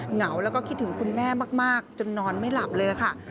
เหงาแล้วก็คิดถึงคุณแม่มากจนนอนไม่หลับเลยล่ะค่ะ